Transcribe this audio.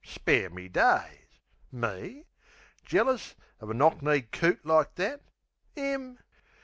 Spare me days! Me? Jealous uv a knock kneed coot like that! 'Im!